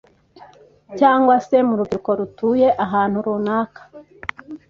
cyangwa se mu rubyiruko rutuye ahantu runaka